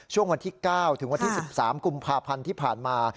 ช่วงวันที่๙ถึงวันที่๑๓กุมภาพันธ์ที่ผ่านมา